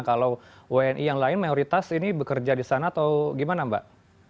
kalau wni yang lain mayoritas ini bekerja di sana atau gimana mbak